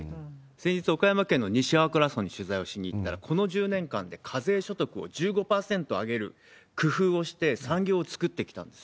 先日、岡山県の西粟倉村に取材に行ったら、この１０年間で課税所得を１５％上げる工夫をして、産業を作ってきたんです。